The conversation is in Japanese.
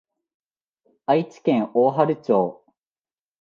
愛知県大治町